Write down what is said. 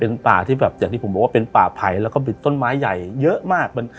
เป็นป่าที่แบบอย่างที่ผมบอกว่าเป็นป่าไผ่แล้วก็บิดต้นไม้ใหญ่เยอะมาก